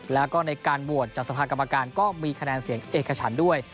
แล้วก็ในการโหวตจากสภากรรมการก็มีคะแนนเสียงเอกฉันด้วย